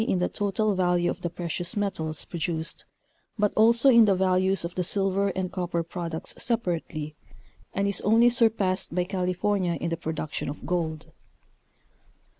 215 the total value of the precious metals produced, but also in the values of the silver and copper products separately, and is only surpassed by California in the production of gold.